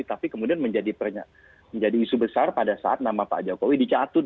tapi kemudian menjadi isu besar pada saat nama pak jokowi dicatut